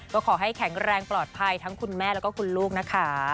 ก็ขอให้แข็งแรงปลอดภัยทั้งคุณแม่แล้วก็คุณลูกนะคะ